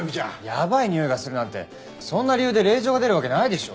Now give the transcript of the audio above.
「やばいにおいがする」なんてそんな理由で令状が出るわけないでしょ。